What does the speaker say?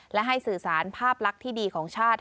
และให้สื่อสารภาพลักษณ์ที่ดีของชาติ